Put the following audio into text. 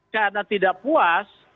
karena tidak puas